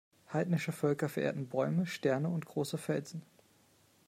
Heidnische Völker verehrten Bäume, Sterne und große Felsen.